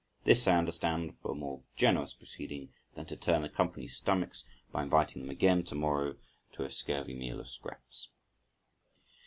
This I understand for a more generous proceeding than to turn the company's stomachs by inviting them again to morrow to a scurvy meal of scraps.